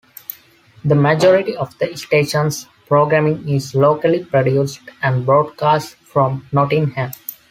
The majority of the station's programming is locally produced and broadcast from Nottingham.